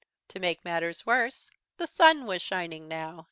To make matters worse, the sun was shining now.